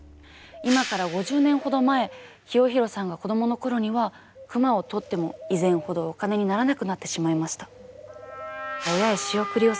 今から５０年ほど前清弘さんが子供の頃には熊をとっても以前ほどお金にならなくなってしまいました。